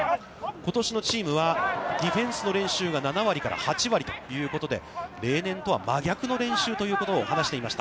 ことしのチームは、ディフェンスの練習が７割から８割ということで、例年とは真逆の練習ということを話していました。